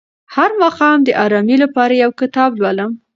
هر ماښام د ارامۍ لپاره یو کتاب لولم.